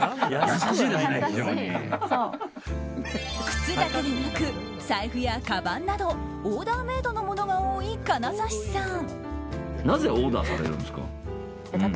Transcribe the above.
靴だけでなく財布や、かばんなどオーダーメイドのものが多い金指さん。